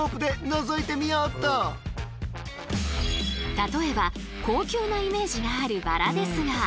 例えば高級なイメージがあるバラですが。